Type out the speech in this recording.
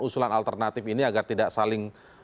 usulan alternatif ini agar tidak saling